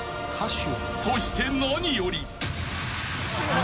［そして何より］